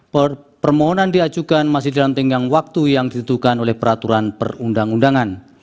permohonan diajukan masih dalam tenggang waktu yang ditentukan oleh peraturan perundang undangan